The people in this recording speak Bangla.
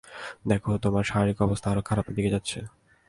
দেখো, তোমার শারীরিক অবস্থা আরও খারাপের দিকে যাচ্ছে।